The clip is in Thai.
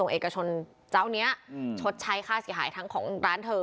เอกชนเจ้านี้ชดใช้ค่าเสียหายทั้งของร้านเธอ